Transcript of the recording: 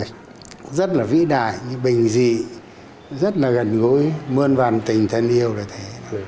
bác hồ cũng nói bao nhiêu cũng không đủ vĩ đại bình dị rất là gần gối mươn vàn tình thân yêu là thế